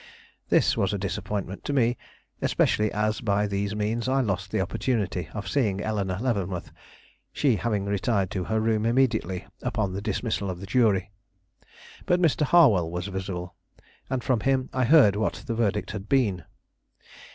This was a disappointment to me, especially as by these means I lost the opportunity of seeing Eleanore Leavenworth, she having retired to her room immediately upon the dismissal of the jury. But Mr. Harwell was visible, and from him I heard what the verdict had been.